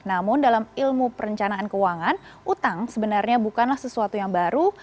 namun dalam ilmu perencanaan keuangan utang sebenarnya bukanlah sesuatu yang baru